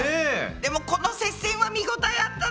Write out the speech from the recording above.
でもこの接戦は見応えあったな。